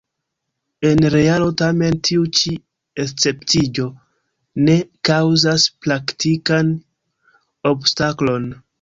En realo tamen tiu ĉi esceptiĝo ne kaŭzas praktikan obstaklon.